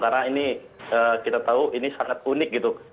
karena ini kita tahu ini sangat unik gitu